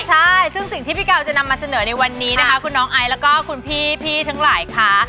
ใช่ซึ่งสิ่งที่พี่กาวจะนำมาเสนอในวันนี้นะคะคุณน้องไอซ์แล้วก็คุณพี่ทั้งหลายค่ะ